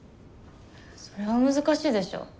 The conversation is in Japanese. それは難しいでしょ。